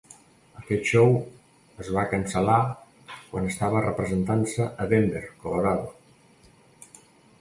Aquest show es va cancel·lar quan estava representant-se a Denver, Colorado.